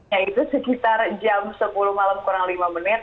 ya itu sekitar jam sepuluh malam kurang lima menit